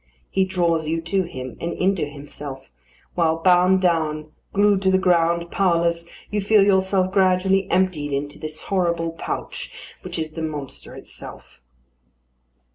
He draws you to him, and into himself; while bound down, glued to the ground, powerless, you feel yourself gradually emptied into this horrible pouch, which is the monster itself.